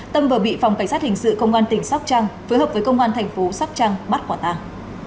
tâm vừa bị phòng cảnh sát hình sự công an tỉnh sóc trăng phối hợp với công an thành phố sóc trăng bắt quả tàng